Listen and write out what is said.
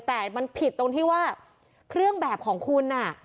แต่มันผิดตรงที่ว่าเครื่องแบบของคุณ